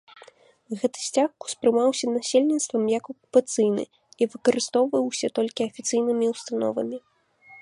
Гэты сцяг успрымаўся насельніцтвам як акупацыйны і выкарыстоўваўся толькі афіцыйнымі ўстановамі.